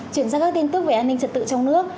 chuyển sang các tin tức về an ninh trật tự trong nước